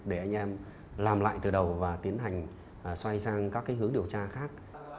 để anh em làm lại từ đầu và tiến hành xoay sang các hướng điều tra khác